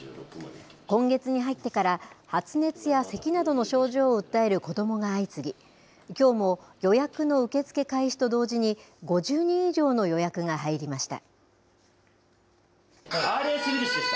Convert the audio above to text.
今月に入ってから、発熱やせきなどの症状を訴える子どもが相次ぎ、きょうも、予約の受け付け開始と同時に、５０人以上の予約が入りました。